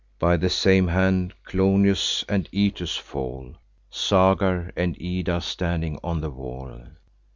By the same hand, Clonius and Itys fall, Sagar, and Ida, standing on the wall.